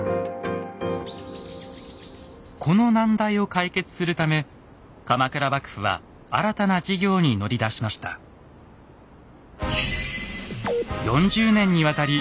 この難題を解決するため鎌倉幕府は新たな事業に乗り出しました。